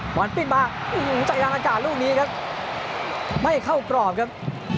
หวานปิ๊บมาจังหวัดอากาศลูกมีครับไม่เข้ากรอบครับ